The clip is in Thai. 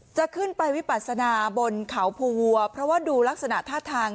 จะขึ้นไปวิปัสนาบนเขาภูวัวเพราะว่าดูลักษณะท่าทาง